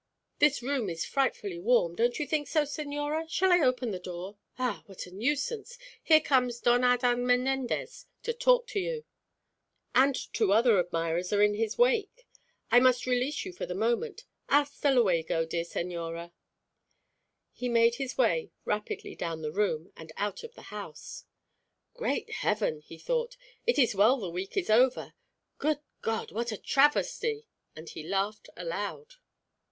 This room is frightfully warm, don't you think so, señora? Shall I open the door? Ah, what a nuisance! here comes Don Adan Menendez to talk to you, and two other admirers are in his wake. I must release you for the moment. Hasta luego, dear señora!" He made his way rapidly down the room, and out of the house. "Great heaven!" he thought. "It is well the week is over. Good God, what a travesty!" and he laughed aloud.